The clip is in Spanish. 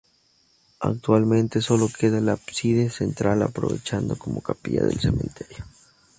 Actualmente solo queda el ábside central, aprovechado como capilla del cementerio.